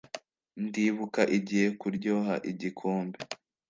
Ndibuka igihekuryoha igikombe